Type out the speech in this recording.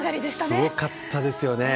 すごかったですよね。